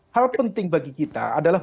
hal penting bagi kita adalah